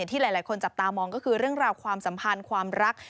ที่หลายคนจับตามองก็คือเรื่องราวความสัมพันธ์ความรัก